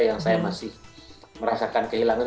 yang saya masih merasakan kehilangan